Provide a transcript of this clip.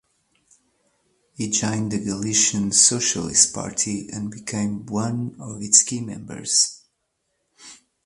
He joined the Galician Socialist Party and became one of its key members.